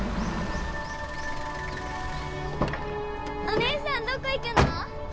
お姉さんどこ行くの？